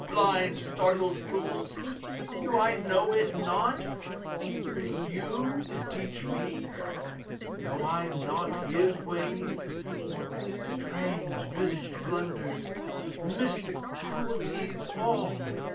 Blind, startled fools think you I know it not? Think you to teach me? Know I not His ways? Strange visaged blunders, mystic cruelties. All!